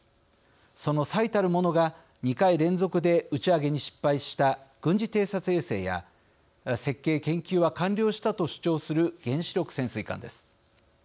その最たるものが２回連続で打ち上げに失敗した軍事偵察衛星や設計・研究は完了したと主張する原子力潜水艦です。